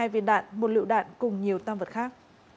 hai mươi hai viên đạn một lựu đạn cùng nhiều tam vật khác